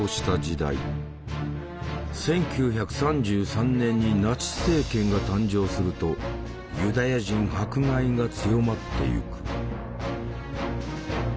１９３３年にナチス政権が誕生するとユダヤ人迫害が強まってゆく。